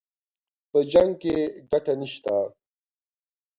په جـنګ كښې ګټه نشته